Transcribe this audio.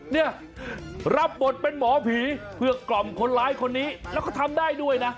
เนี่ยรับบทเป็นหมอผีเพื่อกล่อมคนร้ายคนนี้แล้วก็ทำได้ด้วยนะ